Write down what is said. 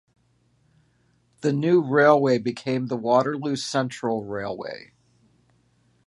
The new railway became the Waterloo Central Railway.